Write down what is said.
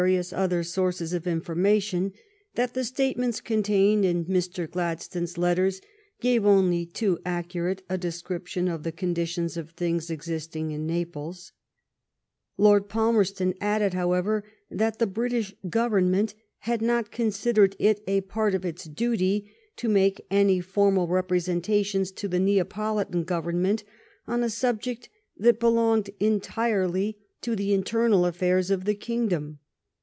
The arrow has shot deep into the mark," he said, THE NEAPOLITAN LETTERS 1 37 sources of information, that the statements con tained in Mr. Gladstones letters gave only too accurate a description of the condition of things existing in Naples. Lord Palmerston added, how ever, that the British Government had not con sidered it a part of its duty to make any formal representations to the Neapolitan Government on a subject that belonged entirely to the internal affairs of the kingdom.